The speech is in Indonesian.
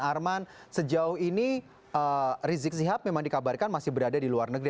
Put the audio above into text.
arman sejauh ini rizik sihab memang dikabarkan masih berada di luar negeri